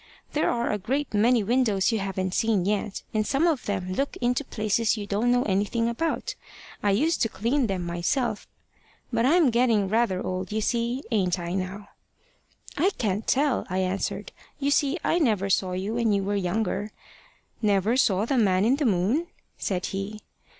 There are a great many windows you haven't seen yet, and some of them look into places you don't know anything about. I used to clean them myself, but I'm getting rather old, you see. Ain't I now?' `I can't tell,' I answered. `You see I never saw you when you were younger.' `Never saw the man in the moon?' said he.